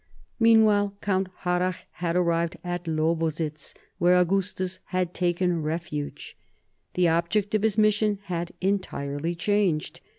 Meanwhile Count Harrach had arrived at Lobositz, where Augustus had taken refuge. The object of his mission had entirely changed.